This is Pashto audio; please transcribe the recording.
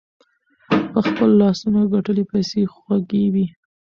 په خپلو لاسونو ګتلي پیسې خوږې وي.